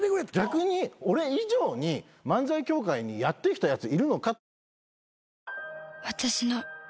逆に俺以上に漫才協会にやってきたやついるのか。